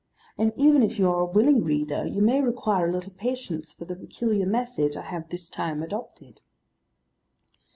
And even if you are a willing reader you may require a little patience for the peculiar method I have this time adopted.